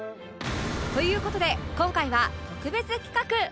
という事で今回は特別企画